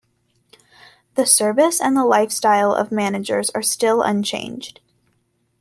The service and the lifestyle of managers are still unchanged.